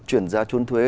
chuyển giá trốn thuế